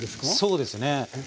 そうですね。